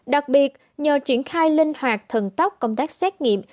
đặc biệt nhờ triển khai linh hoạt thần tốc công tác xét nghiệm